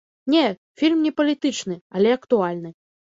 Не, фільм не палітычны, але актуальны.